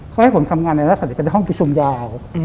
เขาให้ผมทำงานในลักษณะที่เป็นห้องประชุมยาว